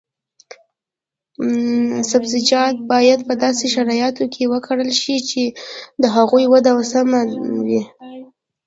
سبزیجات باید په داسې شرایطو کې وکرل شي چې د هغوی وده سمه وي.